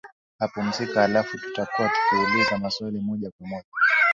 apumzika alafu tutakuwa tukiuliza maswali moja kwa moja